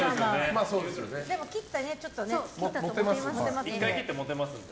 でも切ったのを持てますので。